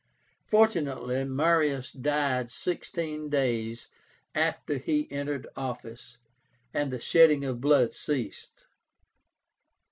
Fortunately Marius died sixteen days after he entered office, and the shedding of blood ceased.